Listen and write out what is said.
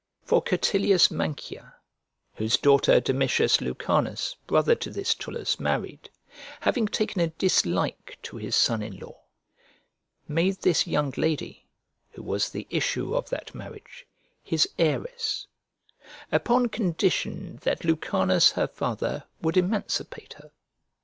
For Curtilius Mancia, whose daughter Domitius Lucanus, brother to this Tullus, married, having taken a dislike to his son in law, made this young lady (who was the issue of that marriage) his heiress, upon condition that Lucanus her father would emancipate her.